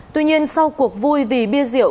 tuy nhiên sau cuộc vui vì bia rượu